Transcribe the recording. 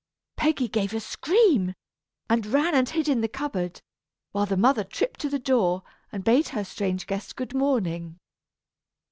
Peggy gave a scream, and ran and hid in the cupboard, while the mother tripped to the door, and bade her strange guest good morning.